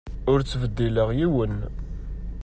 Ur ttbeddileɣ yiwen.